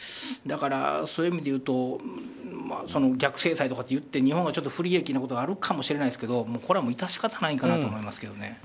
だから、そういう意味でいうと逆制裁とかいって日本は不利益なことがあるかもしれないですけどこれはもう致し方ないと思いますね。